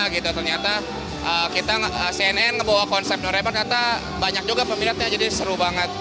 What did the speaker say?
gitu ternyata kita cnn membawa konsep norebang kata banyak juga peminatnya jadi seru banget